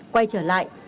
quay trở lại